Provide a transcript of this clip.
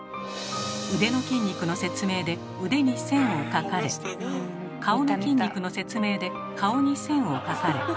腕の筋肉の説明で腕に線を描かれ顔の筋肉の説明で顔に線を描かれ。